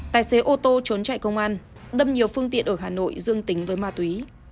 tài xế ô tô trốn chạy công an đâm nhiều phương tiện ở hà nội dương tính với ma túy